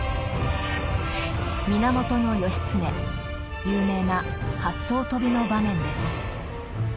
源義経有名な八艘飛びの場面です。